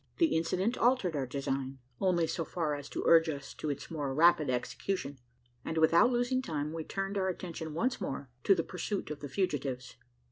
The incident altered our design only so far as to urge us to its more rapid execution; and, without losing time, we turned our attention once more to the pursuit of the fugitives.